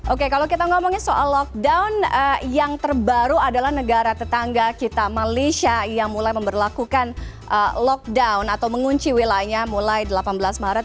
oke kalau kita ngomongin soal lockdown yang terbaru adalah negara tetangga kita malaysia yang mulai memperlakukan lockdown atau mengunci wilayahnya mulai delapan belas maret